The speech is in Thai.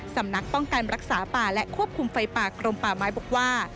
สำนักป้องกันรักษาป่าและควบคุมไฟป่ากรมป่าไม้บอกว่า